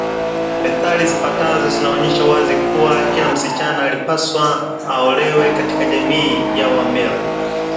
Methali zifuatazo zinaonyesha wazi kuwa kila msichana alipaswa aolewe katika jamii ya Wameru